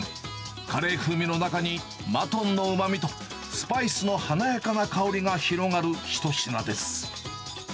カレー風味の中に、マトンのうまみと、スパイスの華やかな香りが広がる一品です。